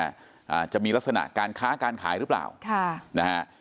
อ่าจะมีลักษณะการค้าการขายหรือเปล่าค่ะนะฮะ